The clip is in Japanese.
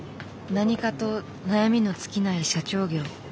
何かと悩みの尽きない社長業。